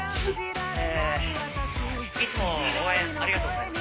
えいつも応援ありがとうございます。